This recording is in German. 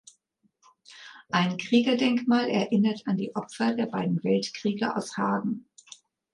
Ein Kriegerdenkmal erinnert an die Opfer der beiden Weltkriege aus Hagen.